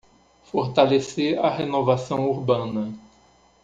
Fortalecer a renovação urbana